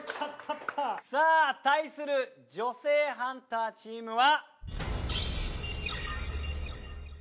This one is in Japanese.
さあ対する女性ハンターチームは。